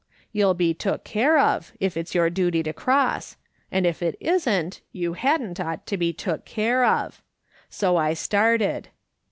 You'll be took care of, if it's your duty to cross ; and if it isn't, you hadn't ought to be took care of.' So I started.